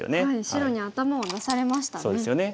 白に頭を出されましたね。